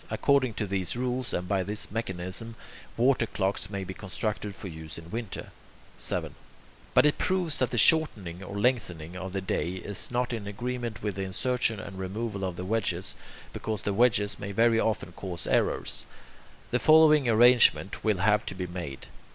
According to these rules, and by this mechanism, water clocks may be constructed for use in winter. 7. But if it proves that the shortening or lengthening of the day is not in agreement with the insertion and removal of the wedges, because the wedges may very often cause errors, the following arrangement will have to be made.